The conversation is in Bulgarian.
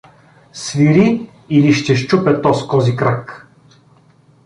Свири или ще счупя тоз кози крак!